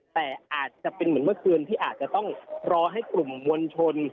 แต่อาจจะเป็นเหมือนเมื่อคืนที่อาจจะต้องรอให้กลุ่มมวลชน